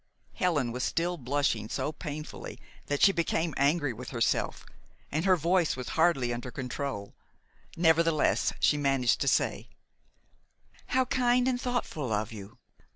Helen was still blushing so painfully that she became angry with herself, and her voice was hardly under control. Nevertheless, she managed to say: "How kind and thoughtful of you!